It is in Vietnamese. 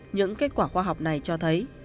những kết quả khoa học này cho thấy